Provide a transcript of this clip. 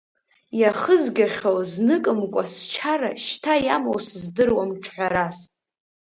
Иахызгахьоу зныкымкәа счара, шьҭа иамоу сыздыруам ҿҳәарас…